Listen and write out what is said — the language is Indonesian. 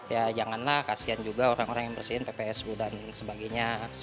ya janganlah kasian juga orang orang yang bersihin ppsu dan sebagainya